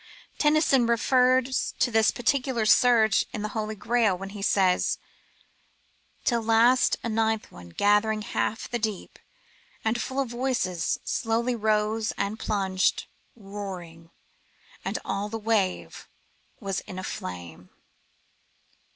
Tenny son refers to this peculiar surge in the Holy Grail, when he says —Till last a ninth one, gathering half the deep, And full of voices, slowly rose and plunged, Boaring ; and aU the wave was in a flame."